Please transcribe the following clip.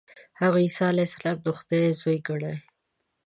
هغوی عیسی علیه السلام د خدای زوی ګڼي.